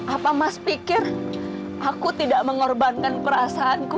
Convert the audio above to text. apa mas pikir aku tidak mengorbankan perasaanku